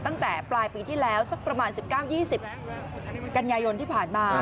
ตั้งแต่ปลายปีที่แล้วสักประมาณ๑๙๒๐กันยายนที่ผ่านมา